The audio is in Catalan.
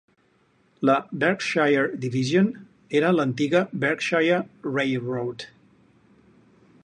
La Berkshire Division era l'antiga Berkshire Railroad.